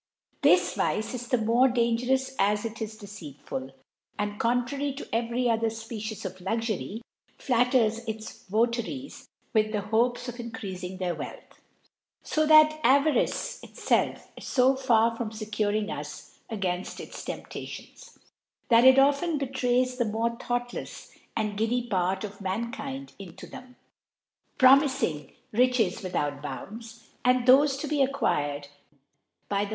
This Vice is the more d gerouS) as it is deceitful, and, contrary xvcry other Species of Luxury, flatters Votaries with the Hopes of increafmg th Wealth .; fo that Avarice itfelf is fo from fecuring us againft iis Tempratio that it often betrays the more thought! ai)d giddy Part of Mankind into ther proini&ng Riches without Bounds, and th( to he acquired by the.